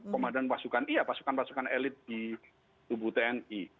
komandan pasukan iya pasukan pasukan elit di tubuh tni